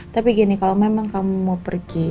tapi gini kalau memang kamu mau pergi